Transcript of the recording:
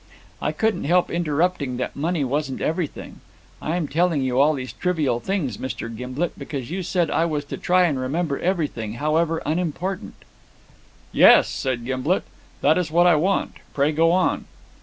I couldn't help interrupting that money wasn't everything. I am telling you all these trivial things, Mr. Gimblet, because you said I was to try and remember everything, however unimportant." "Yes," said Gimblet, "that is what I want. Pray go on."